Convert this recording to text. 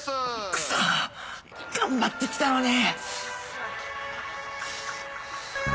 クソ！頑張ってきたのに！